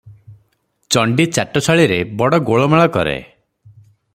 ଚଣ୍ଡୀ ଚାଟଶାଳୀରେ ବଡ଼ ଗୋଳମାଳ କରେ ।